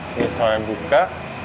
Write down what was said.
ini saya buka